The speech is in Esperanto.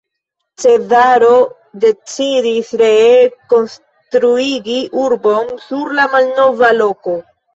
Cezaro decidis, ree konstruigi urbon sur la malnova loko.